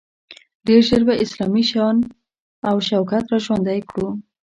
ډیر ژر به اسلامي شان او شوکت را ژوندی کړو.